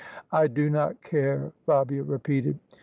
" I do not care," Fabia repeated.